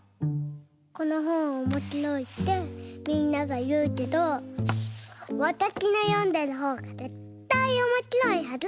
このほんおもしろいってみんながいうけどわたしのよんでるほうがぜったいおもしろいはず！